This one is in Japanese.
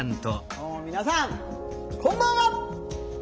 どうも皆さんこんばんは。